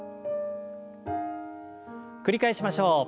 繰り返しましょう。